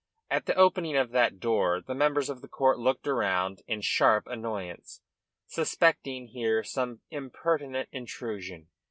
At the opening of that door the members of the court looked round in sharp annoyance, suspecting here some impertinent intrusion.